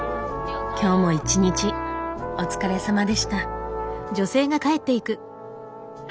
今日も一日お疲れさまでした。